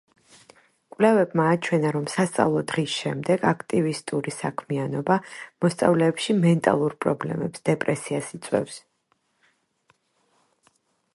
კვლევებმა აჩვენა, რომ სასწავლო დღის შემდეგ აქტივისტური საქმიანობა მოსწავლეებში მენტალურ პრობლემებს, დეპრესიას იწვევს.